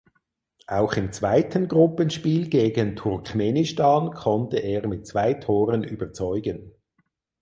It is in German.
Auch im zweiten Gruppenspiel gegen Turkmenistan konnte er mit zwei Toren überzeugen.